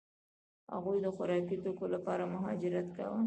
هغوی د خوراکي توکو لپاره مهاجرت کاوه.